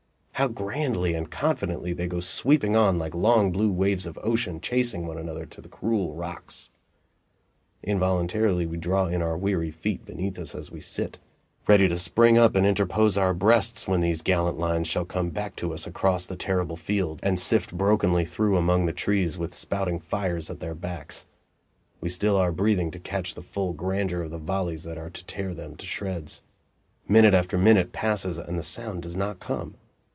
How grandly and confidently they go sweeping on like long blue waves of ocean chasing one another to the cruel rocks! Involuntarily we draw in our weary feet beneath us as we sit, ready to spring up and interpose our breasts when these gallant lines shall come back to us across the terrible field, and sift brokenly through among the trees with spouting fires at their backs. We still our breathing to catch the full grandeur of the volleys that are to tear them to shreds. Minute after minute passes and the sound does not come.